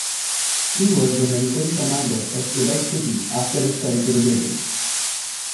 He was the military commander of Quebec City after it fell to the British.